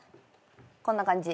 こんな感じ。